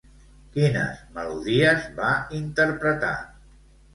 Quines melodies va interpretar?